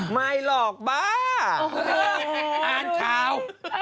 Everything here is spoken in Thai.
ไม่หรอกบ้าอ่านข่าวอ่านข่าว